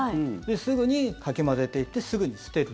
すぐにかき混ぜていってすぐに捨てる。